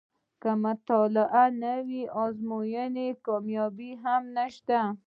که مطالعه نه وي په ازموینو کې کامیابي هم نشته.